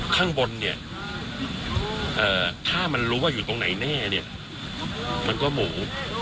ข้างบนเนี่ยถ้ามันรู้ว่าอยู่ตรงไหนแน่เนี่ยมันก็หมู